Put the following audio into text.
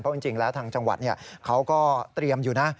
เพราะจริงแล้วทางจังหวัดเขาก็เตรียมอยู่นะ